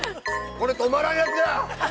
これ、止まらんやつや！